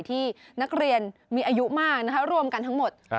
ที่นักเรียนมีอายุมากรวมกันทั้งหมด